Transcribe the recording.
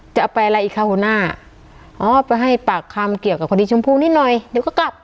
จะเอาไปอะไรอีกคะหัวหน้าอ๋อไปให้ปากคำเกี่ยวกับคดีชมพูนิดหน่อยเดี๋ยวก็กลับ